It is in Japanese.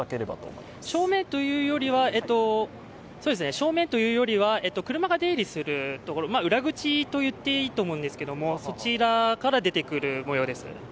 正面というよりは、車が出入りするところ、裏口と言っていいと思うんですけども、そちらから出てくる模様です。